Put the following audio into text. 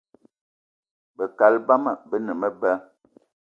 Be kaal bama be ne meba